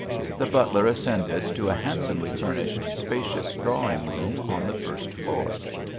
The butler ascended to a handsomely furnished, spacious drawing room on the first floor.